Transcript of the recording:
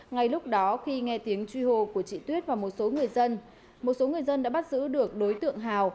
ngay lúc đó khi nghe tiếng truy hô của chị tuyết và một số người dân một số người dân đã bắt giữ được đối tượng hào